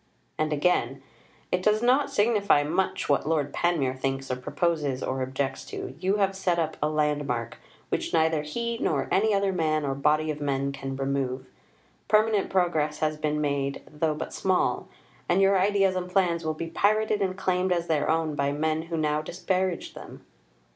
And again: "It does not signify much what Lord Panmure thinks or proposes or objects to. You have set up a Landmark which neither he nor any other man or body of men can remove. Permanent progress has been made, though but small, and your ideas and plans will be pirated and claimed as their own by men who now disparage them."